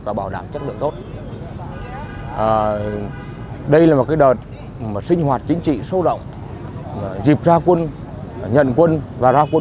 và bảo đảm chất lượng tốt đây là một đợt sinh hoạt chính trị sâu rộng dịp ra quân nhận quân và ra quân